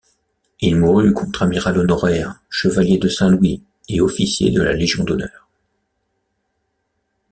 Il mourut contre-amiral honoraire, Chevalier de Saint-Louis et officier de la Légion d'honneur.